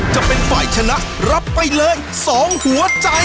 จะเป็นฝ่ายชนะรับไปเลย๒หัวใจ